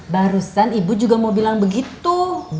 barusan ibu juga mau bilang begitu